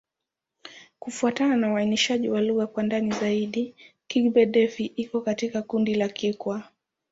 Kufuatana na uainishaji wa lugha kwa ndani zaidi, Kigbe-Defi iko katika kundi la Kikwa.